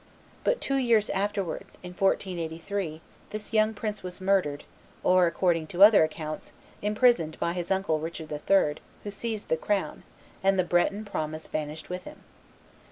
But two years afterwards, in 1483, this young prince was murdered, or, according to other accounts, imprisoned by his uncle Richard III., who seized the crown; and the Breton promise vanished with him.